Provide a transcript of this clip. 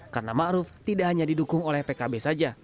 karena ma'ruf tidak hanya didukung oleh pkb saja